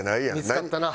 見付かったな。